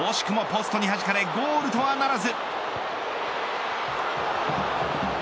惜しくもポストにはじかれゴールとはならず。